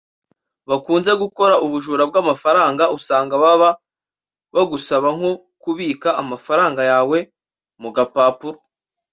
bakunze gukora ubujura bw’amafaranga usanga baba bagusaba nko kubika amafaranga yawe mu gapapuro